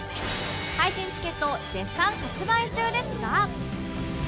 配信チケット絶賛発売中ですが